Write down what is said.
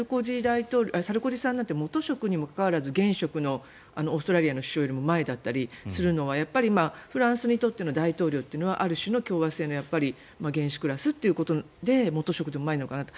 サルコジさんなんて元職にもかかわらず現職のオーストラリアの首相のよりも前だったりするのはやっぱり、フランスにとっての大統領というのはある種の共和制の元首クラスということで元職でも前なのかなと。